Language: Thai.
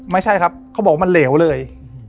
ไม่ใช่ครับเขาบอกว่ามันเหลวเลย